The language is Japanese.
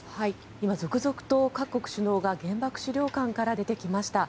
今、続々と各国首脳が原爆資料館から出てきました。